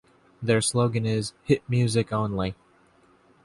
Their slogan is "Hit music only".